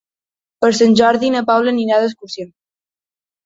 Per Sant Jordi na Paula anirà d'excursió.